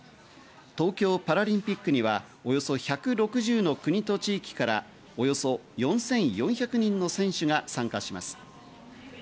東京パラリンピックには、およそ１６０の国と地域からおよそ４４００人の選手が参加します。